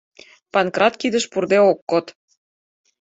Панкрат кидыш пурде ок код.